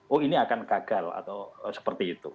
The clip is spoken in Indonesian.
oh ini akan gagal atau seperti itu